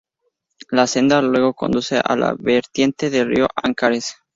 La senda luego conduce a la vertiente del Río Ancares.